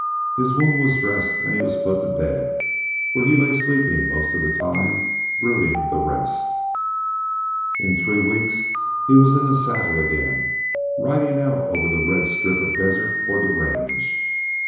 His wound was dressed and he was put to bed, where he lay sleeping most of the time, brooding the rest. In three weeks he was in the saddle again, riding out over the red strip of desert toward the range.